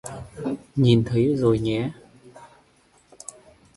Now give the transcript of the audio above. Nhìn thấy rồi nhé